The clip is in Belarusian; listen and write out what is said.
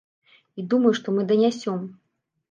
І думаю, што мы данясём.